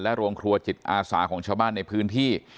โรงครัวจิตอาสาของชาวบ้านในพื้นที่